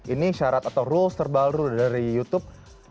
ini syarat atau rules terbaru dari youtube